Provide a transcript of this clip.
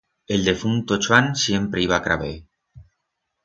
El defunto Chuan siempre iba craber.